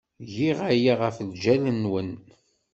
Giɣ aya ɣef lǧal-nwen.